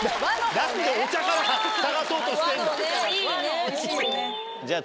何でお茶から探そうとしてんの？